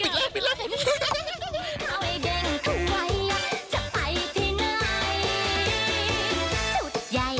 ฉุดยัยไฟกระพรีบอ้ะสวยวน